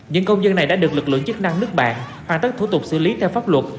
những công dân này đã được lực lượng chức năng nước bạn hoàn tất thủ tục xử lý theo pháp luật